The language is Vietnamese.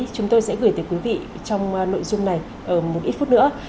chúng tôi sẽ gửi tới quý vị trong nội dung này một ít phút nữa